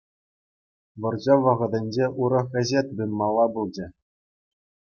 Вӑрҫӑ вӑхӑтӗнче урӑх ӗҫе тытӑнмалла пулчӗ.